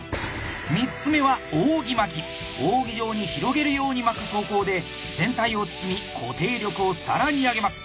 ３つ目は扇状に広げるように巻く走行で全体を包み固定力を更に上げます。